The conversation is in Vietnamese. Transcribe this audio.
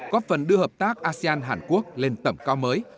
góp phần đưa hợp tác asean hàn quốc lên tầm cao mới